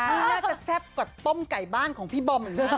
นี่น่าจะแซ่บกว่าต้มไก่บ้านของพี่บอลด้วย